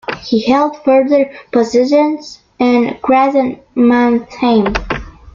He held further positions in Graz and Mannheim.